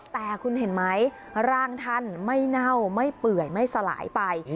แต่คุณเห็นไหมร่างท่านไม่เน่าไม่เปื่อยไม่สลายไป